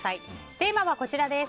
テーマはこちらです。